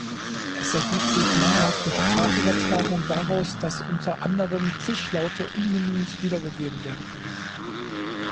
Es ergibt sich mangelhafte Sprachübertragung daraus, dass unter anderem Zischlaute ungenügend wiedergegeben werden können.